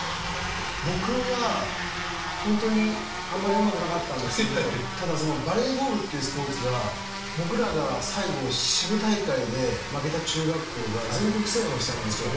僕はホントにあんまりうまくなかったんですけどただバレーボールっていうスポーツが僕らが最後支部大会で負けた中学校が全国制覇をしたんですよ。